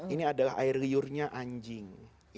ini adalah air liurnya anjing